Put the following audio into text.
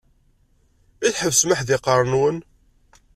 I tḥebsem aḥdiqer-nwen?